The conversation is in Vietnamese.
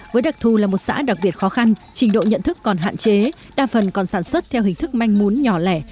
với đặc thù là một xã đặc biệt khó khăn trình độ nhận thức còn hạn chế đa phần còn sản xuất theo hình thức manh mún nhỏ lẻ